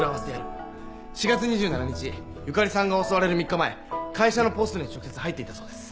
４月２７日ゆかりさんが襲われる３日前会社のポストに直接入っていたそうです。